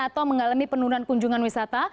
atau mengalami penurunan kunjungan wisata